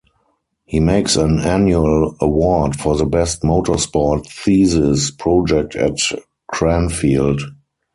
He makes an annual award for the best motorsport thesis project at Cranfield.